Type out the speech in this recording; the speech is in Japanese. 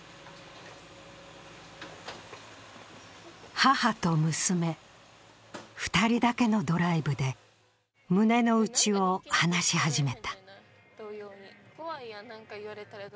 母と娘、２人だけのドライブで胸のうちを話し始めた。